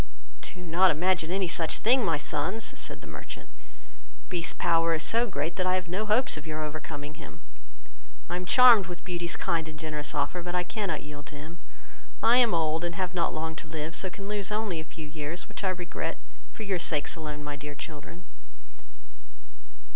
"Do not imagine any such thing, my sons, (said the merchant,) Beast's power is so great, that I have no hopes of your overcoming him; I am charmed with Beauty's kind and generous offer, but I cannot yield to it; I am old, and have not long to live, so can only lose a few years, which I regret for your sakes alone, my dear children."